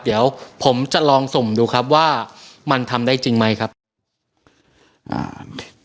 เดี๋ยวผมจะลองสุ่มดูครับว่ามันทำได้จริงไหมครับอ่า